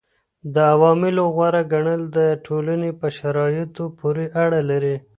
د عواملو غوره ګڼل د ټولني په شرايطو پوري اړه لري.